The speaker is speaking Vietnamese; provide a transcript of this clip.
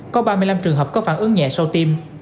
có ba mươi năm trường hợp có phản ứng nhẹ sau tim